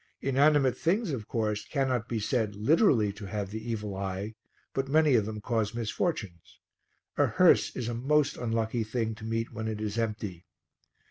Inanimate things, of course, cannot be said literally to have the evil eye, but many of them cause misfortunes. A hearse is a most unlucky thing to meet when it is empty.